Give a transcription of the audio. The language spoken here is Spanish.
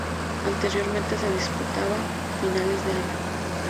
Anteriormente se disputaba finales de año.